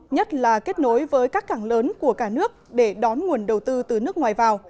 nhất là kết nối với các cảng lớn của cả nước để đón nguồn đầu tư từ nước ngoài vào